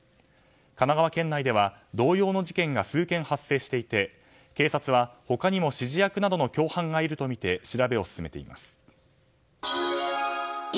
神奈川県内では同様の事件が数件発生していて警察は、他にも指示役などの共犯がいるとみて調べを進めています。